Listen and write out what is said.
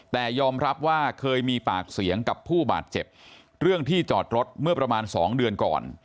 แต่ยอมรับว่าเคยมีปากเสียงกับผู้บาดเจ็บเรื่องที่จอดรถเมื่อประมาณ๒เดือนก่อน